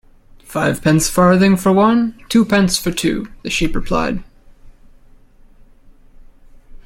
‘Fivepence farthing for one—Twopence for two,’ the Sheep replied.